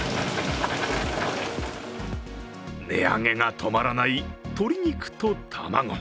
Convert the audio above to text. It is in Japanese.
値上げが止まらない鶏肉と卵。